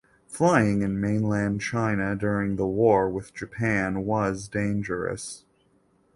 Flying in mainland China during the war with Japan was dangerous.